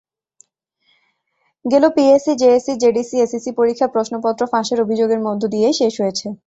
গেল PSC, JSC, JDC, SSC পরীক্ষা প্রশ্নপত্র ফাঁসের অভিযোগের মধ্য দিয়েই শেষ হয়েছে।